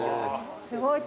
すごい。